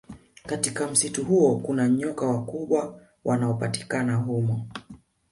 Katika msitu huo kuna nyoka wakubwa wanaopatikaba humo